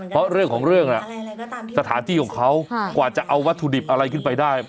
เพราะเรื่องของเรื่องสถานที่ของเขากว่าจะเอาวัตถุดิบอะไรขึ้นไปได้